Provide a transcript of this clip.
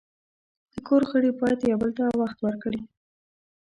د کور غړي باید یو بل ته وخت ورکړي.